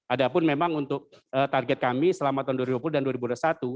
ada pun memang untuk target kami selama tahun dua ribu dua puluh dan dua ribu dua puluh satu